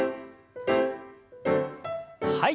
はい。